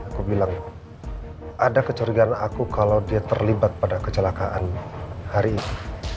aku bilang ada kecurigaan aku kalau dia terlibat pada kecelakaan hari ini